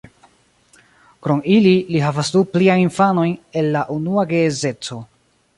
Krom ili, li havas du pliajn infanojn el la unua geedzeco.